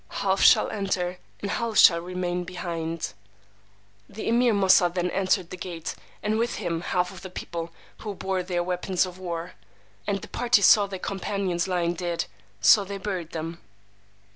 Half shall enter, and half shall remain behind. The Emeer Moosà then entered the gate, and with him half of the people, who bore their weapons of war. And the party saw their companions lying dead: so they buried them.